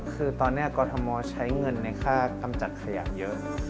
คือตอนนี้กรทมใช้เงินในค่ากำจัดขยะเยอะ